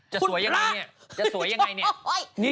จะสวยยังไง